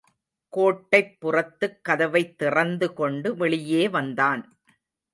கோட்டைப்புறத்துக் கதவைத் திறந்து கொண்டு வெளியே வந்தான்.